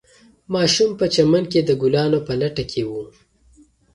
ماشوم په چمن کې د ګلانو په لټه کې و.